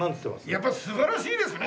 やっぱ素晴らしいですね。